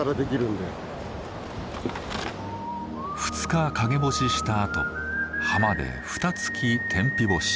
２日陰干ししたあと浜でふた月天日干し。